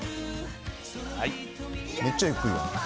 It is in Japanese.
めっちゃゆっくりやん。